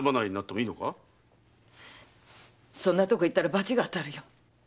そんな所に行ったら罰が当たるよ。